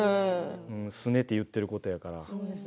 すねて言ってることやから。